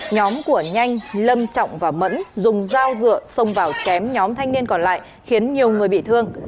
nhóm của nhanh lâm trọng và mẫn dùng dao dựa xông vào chém nhóm thanh niên còn lại khiến nhiều người bị thương